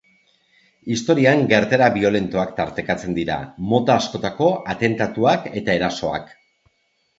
Historian gertaera biolentoak tartekatzen dira, mota askotako atentatuak eta erasoak.